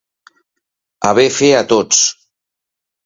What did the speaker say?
Haver fet atots.